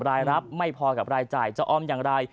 รายรับไม่พอกับรายจ่ายจะอ้อมอย่างไร